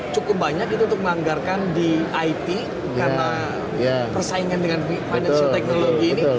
cukup banyak itu untuk menganggarkan di it karena persaingan dengan financial technology ini